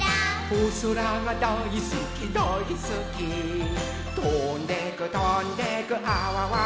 「おそらがだいすきだいすき」「とんでくとんでくあわわわわ」